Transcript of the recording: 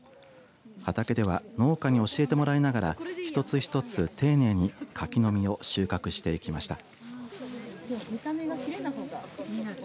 畑では農家に教えてもらいながら一つ一つ丁寧に柿の実を収穫していきました。